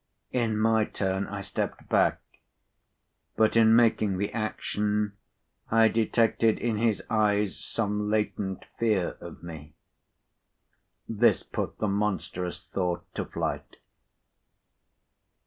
In my turn, I stepped back. But in making p. 93the action, I detected in his eyes some latent fear of me. This put the monstrous thought to flight.